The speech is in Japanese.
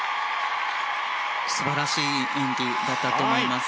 素晴らしい演技だったと思います。